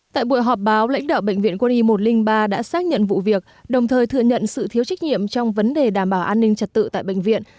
tại buổi họp báo lãnh đạo bệnh viện quân y một trăm linh ba đã xác nhận vụ việc đồng thời thừa nhận sự thiếu trách nhiệm trong vấn đề đảm bảo an ninh trật tự tại bệnh viện